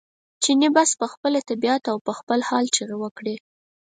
چیني بس په خپله طبعیت او په خپل حال چغې وکړې.